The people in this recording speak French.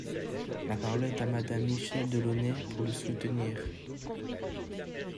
La parole est à Madame Michèle Delaunay, pour le soutenir.